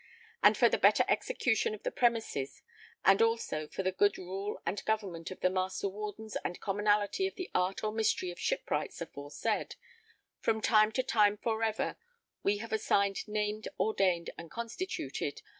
And for the better execution of the premises and also for the good rule and government of the Master Wardens and Commonalty of the art or mystery of Shipwrights aforesaid from time to time forever we have assigned named ordained and constituted